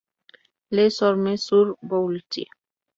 Les Ormes-sur-Voulzie